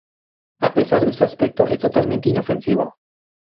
A pesar de su aspecto, es totalmente inofensivo.